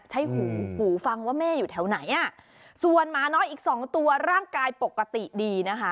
หูหูฟังว่าแม่อยู่แถวไหนอ่ะส่วนหมาน้อยอีกสองตัวร่างกายปกติดีนะคะ